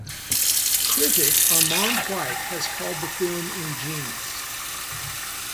Critic Armond White has called the film ingenious.